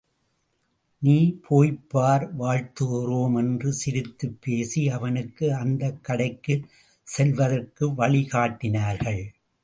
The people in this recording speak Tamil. நீ போய்ப்பார் வாழ்த்துகிறோம் என்று சிரித்துப் பேசி அவனுக்கு அந்தக் கடைக்குச் செல்வதற்கு வழி காட்டினார்கள்.